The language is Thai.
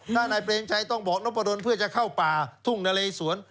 ถ้านายเปรมชัยต้องบอกนพดลเพื่อจะเข้าป่าทุ่งนาเลสวน